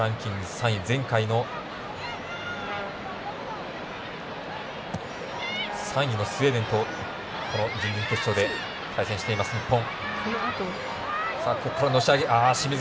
３位前回の３位のスウェーデンとこの準々決勝で対戦しています、日本。